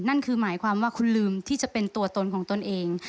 นั่นคือหมายความว่าคุณลืมที่จะเป็นตัวตนของตนเอง